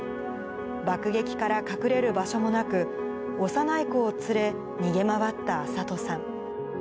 爆撃から隠れる場所もなく、幼い子を連れ、逃げ回った安里さん。